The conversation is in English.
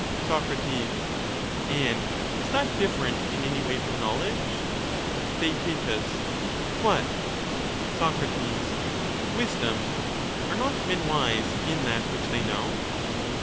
Soc. And is that different in any way from knowledge ? TheaeL What? Soc, Wisdom ; are not men wise in that which they know